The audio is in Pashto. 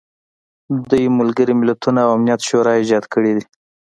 دوی ملګري ملتونه او امنیت شورا ایجاد کړي دي.